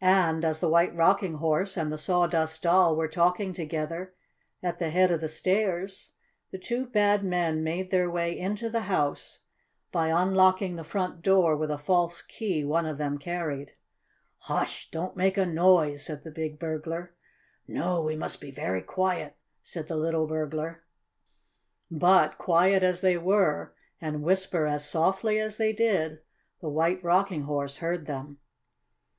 And as the White Rocking Horse and the Sawdust Doll were talking together at the head of the stairs the two bad men made their way into the house by unlocking the front door with a false key one of them carried. "Hush! Don't make a noise!" said the big burglar. "No, we must be very quiet," said the little burglar. But, quiet as they were, and whisper as softly as they did, the White Rocking Horse heard them.